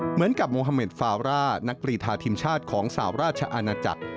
เหมือนกับโมฮาเมดฟาร่านักกรีธาทีมชาติของสาวราชอาณาจักร